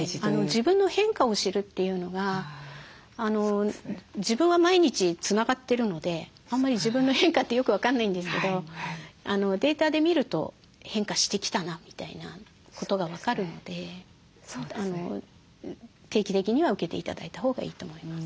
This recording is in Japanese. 自分の変化を知るというのが自分は毎日つながってるのであんまり自分の変化ってよく分かんないんですけどデータで見ると変化してきたなみたいなことが分かるので定期的には受けて頂いたほうがいいと思います。